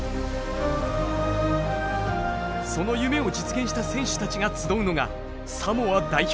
その夢を実現した選手たちが集うのがサモア代表。